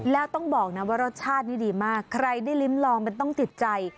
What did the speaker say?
แล้วต้องบอกนะว่ารสชาตินี่ดีมากใครได้ลิ้มลองมันต้องติดใจ